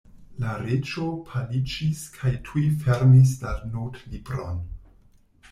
La Reĝo paliĝis kaj tuj fermis la notlibron.